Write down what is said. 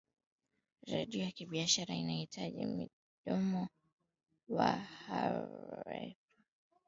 redio ya biashara inahitaji mkondoni wa hadhira